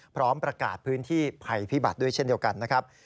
พร้อมประกาศพื้นที่ภัยพิบัติด้วยเช่นเดียวกันนะครับ